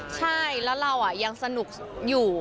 ใช่แล้วเรายังสนุกอยู่